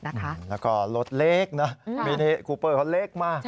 แล้วก็รถเล็กนะมินิคูเปอร์เขาเล็กมาก